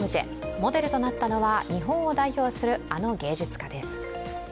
モデルとなったのは日本を代表するあの芸術家です。